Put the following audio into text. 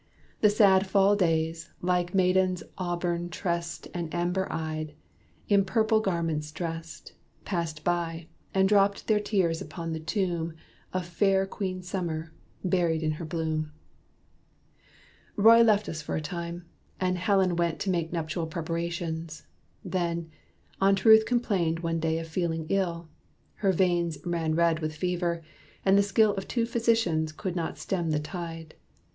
The sad Fall days, like maidens auburn tressed And amber eyed, in purple garments dressed, Passed by, and dropped their tears upon the tomb Of fair Queen Summer, buried in her bloom. Roy left us for a time, and Helen went To make the nuptial preparations. Then, Aunt Ruth complained one day of feeling ill: Her veins ran red with fever; and the skill Of two physicians could not stem the tide.